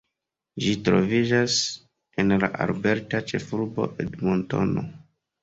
Ĝi troviĝas en la alberta ĉefurbo Edmontono.